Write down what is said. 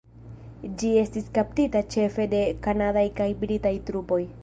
Ĝi estis kaptita ĉefe de kanadaj kaj britaj trupoj.